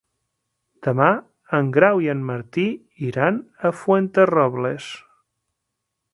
Demà en Grau i en Martí iran a Fuenterrobles.